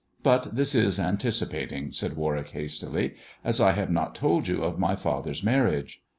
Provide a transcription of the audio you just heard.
But this is anticipat ing," said Warwick hastily, "as I have not told you of my father's marriage.